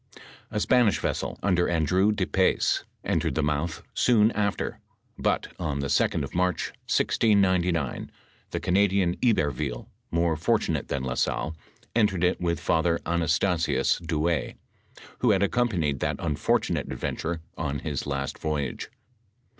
A Spanish vessel under Andrew de Pes, entered the mouth soon after ; but, on the 2d of March, 1699, the Canadian Iberville, more fortunate than La Salle, entered it with Father Anasta sius Douay, who had accompanied that unfortunate adven turer on his last voyage.